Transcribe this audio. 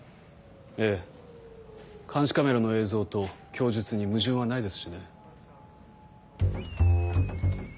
ええ監視カメラの映像と供述に矛盾はないですしね。